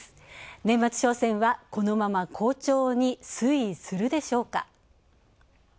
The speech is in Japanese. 年末商戦は、このまま好調に推移するでしょうか。